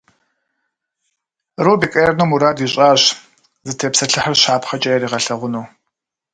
Рубик Эрно мурад ищIащ зытепсэлъыхьыр щапхъэкIэ яригъэлъэгъуну.